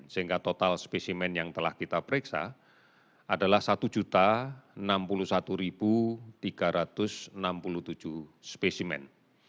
sehingga total spesimen yang telah kita periksa adalah satu enam puluh satu tiga ratus enam puluh tujuh spesimen